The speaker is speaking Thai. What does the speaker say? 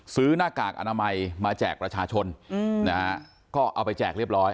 หน้ากากอนามัยมาแจกประชาชนนะฮะก็เอาไปแจกเรียบร้อย